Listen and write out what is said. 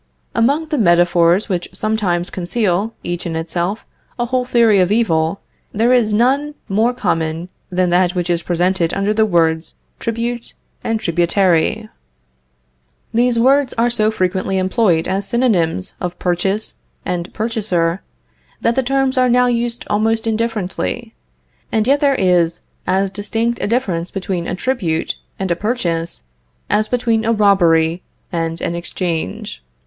Among the metaphors which sometimes conceal, each in itself, a whole theory of evil, there is none more common than that which is presented under the words tribute and tributary. These words are so frequently employed as synonyms of purchase and purchaser, that the terms are now used almost indifferently. And yet there is as distinct a difference between a tribute, and a purchase, as between a robbery and an exchange.